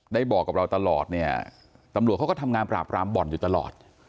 บอกกับเราตลอดเนี่ยตำรวจเขาก็ทำงานปราบรามบ่อนอยู่ตลอด